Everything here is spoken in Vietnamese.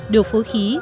được phối khí